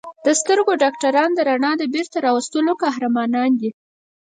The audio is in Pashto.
د سترګو ډاکټران د رڼا د بېرته راوستلو قهرمانان دي.